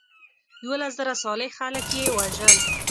یولس زره صالح خلک یې وژل.